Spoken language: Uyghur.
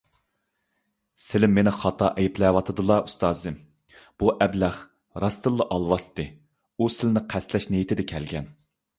سىلى مېنى خاتا ئەيىبلەۋاتىدىلا، ئۇستازىم، بۇ ئەبلەخ راستتىنلا ئالۋاستى، ئۇ سىلىنى قەستلەش نىيىتىدە كەلگەن.